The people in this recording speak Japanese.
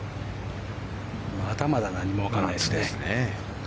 まだまだ何もわからないですね。